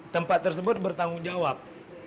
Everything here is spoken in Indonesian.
tempat tersebut bertanggung jawab